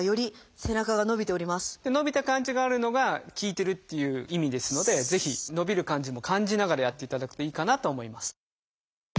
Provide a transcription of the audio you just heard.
伸びた感じがあるのが効いてるっていう意味ですのでぜひ伸びる感じも感じながらやっていただくといいかなと思います。